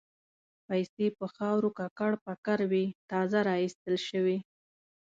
پیسې په خاورو ککړ پکر وې تازه را ایستل شوې.